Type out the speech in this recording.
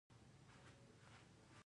زردالو د افغانستان د صادراتو برخه ده.